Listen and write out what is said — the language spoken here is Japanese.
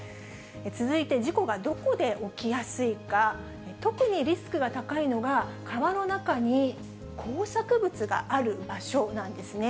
続いて事故がどこで起きやすいか、特にリスクが高いのが、川の中に工作物がある場所なんですね。